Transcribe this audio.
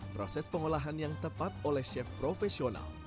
proses pengolahan yang tepat oleh chef profesional